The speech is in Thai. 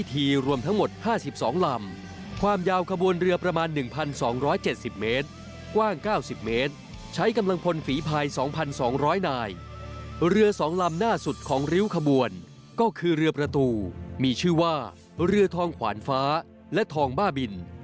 ติดตามพร้อมกันเลยครับ